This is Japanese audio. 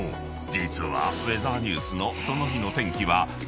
実は］